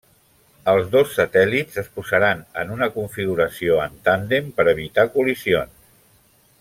Els dos satèl·lits es posaran en una configuració en tàndem per evitar col·lisions.